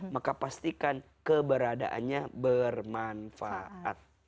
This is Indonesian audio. maka pastikan keberadaannya bermanfaat